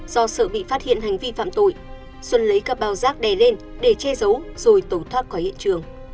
do sợ bị phát hiện hành vi phạm tội xuân lấy các bao rác đè lên để che giấu rồi tẩu thoát khỏi hiện trường